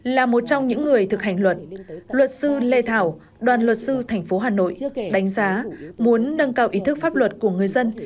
là một trong những người thực hành luật luật sư lê thảo đoàn luật sư thành phố hà nội đánh giá muốn nâng cao ý thức pháp luật của người dân